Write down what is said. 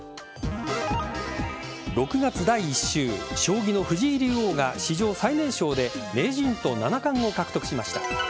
６月第１週将棋の藤井竜王が、史上最年少で名人と七冠を獲得しました。